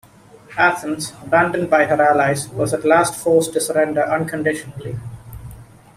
Athens, abandoned by her allies, was at last forced to surrender unconditionally.